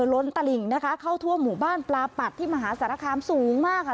ล้นตลิ่งนะคะเข้าทั่วหมู่บ้านปลาปัดที่มหาสารคามสูงมากค่ะ